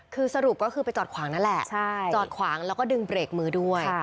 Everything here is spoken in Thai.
คือสรุปก็คือไปจอดขวางนั่นแหละจอดขวางแล้วก็ดึงเบรกมือด้วย